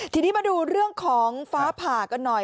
ทีนี้มาดูเรื่องของฟ้าผ่ากันหน่อย